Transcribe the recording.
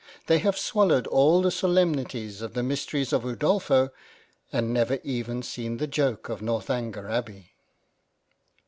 They have swallowed all the solemnities of the Mysteries of Udolpho, and never even seen the joke of Northanger Abbey.